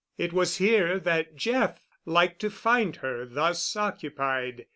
It was here that Jeff liked to find her—thus occupied.